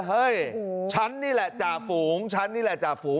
เฮ้ยฉันนี่แหละจ่าฝูงฉันนี่แหละจ่าฝูง